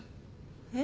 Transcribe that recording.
えっ？